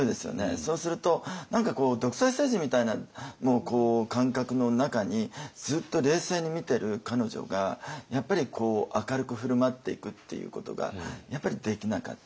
そうすると何かこう独裁政治みたいな感覚の中にずっと冷静に見てる彼女がやっぱり明るく振る舞っていくっていうことができなかった。